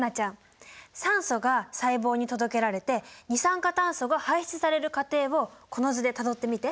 酸素が細胞に届けられて二酸化炭素が排出される過程をこの図でたどってみて！